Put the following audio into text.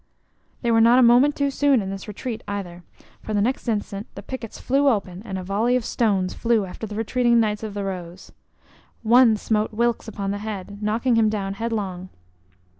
They were not a moment too soon in this retreat, either, for the next instant the pickets flew open, and a volley of stones flew after the retreating Knights of the Rose. One smote Wilkes upon the head, knocking him down headlong.